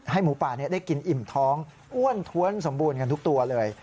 หมูป่าได้กินอิ่มท้องอ้วนท้วนสมบูรณ์กันทุกตัวเลย